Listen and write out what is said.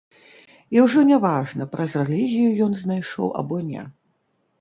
І ужо не важна, праз рэлігію ён знайшоў або не.